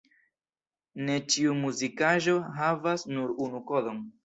Ne ĉiu muzikaĵo havas nur unu kodon.